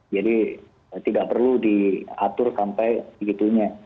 jadi tidak perlu diatur sampai begitunya